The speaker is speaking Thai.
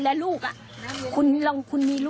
แล้วลูกคุณมีลูกใครมาทำลูกคุณแบบนี้